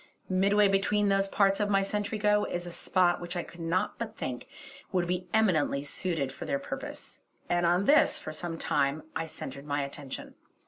Midway between those parts of my sentry go is a spot which I could not but think would be eminently suited for their purpose, and on this for some time I centred my attention.